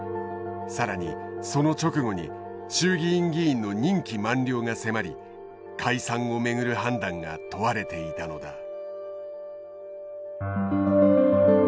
更にその直後に衆議院議員の任期満了が迫り解散を巡る判断が問われていたのだ。